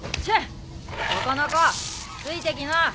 そこの子ついて来な。